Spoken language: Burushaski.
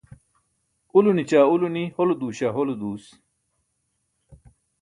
Ulo nićaa ulo ni, hole duuśaa hole duus.